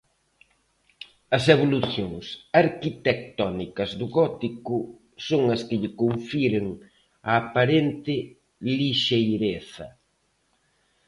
As evolucións arquitectónicas do gótico son as que lle confiren a aparente lixeireza.